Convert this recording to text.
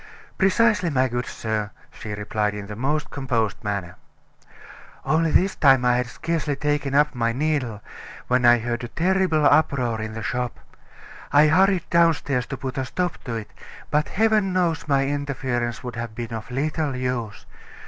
"Precisely, my good sir," she replied in the most composed manner. "Only this time I had scarcely taken up my needle when I heard a terrible uproar in the shop. I hurried downstairs to put a stop to it but heaven knows my interference would have been of little use.